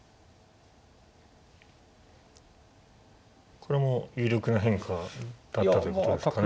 これも有力な変化だったということですかね。